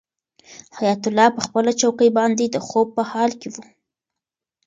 حیات الله په خپله چوکۍ باندې د خوب په حال کې و.